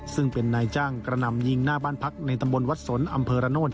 ซึ่งเป็นนายจ้างกระนำยิงหน้าบ้านพักในตำบลวัดสนอำเภอระโนธ